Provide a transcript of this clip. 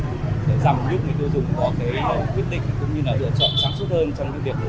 để giảm lúc người tiêu dùng có cái quyết định cũng như là lựa chọn sáng suốt hơn trong cái việc của người mua sắm hàng hóa